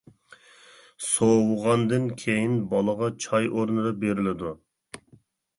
سوۋۇغاندىن كېيىن بالىغا چاي ئورنىدا بېرىلىدۇ.